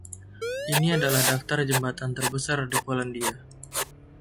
Ini adalah daftar jembatan terbesar di Polandia.